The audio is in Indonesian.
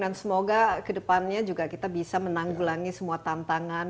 dan semoga kedepannya juga kita bisa menanggulangi semua tantangan